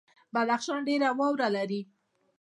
بدخشان ډیره واوره لري